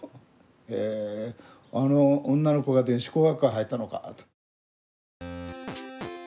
へえあの女の子が電子工学科へ入ったのかと。